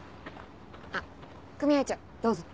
あっ組合長どうぞ。